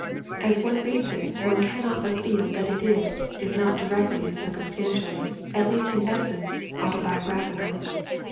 As one reads it, one cannot but feel that it is, if not directly and circumstantially, at least in essence, autobiographical.